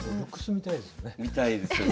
みたいですよね。